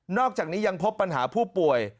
อกจากนี้ยังพบปัญหาผู้ป่วย